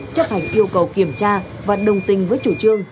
chấp hành yêu cầu kiểm tra và đồng tình với chủ trương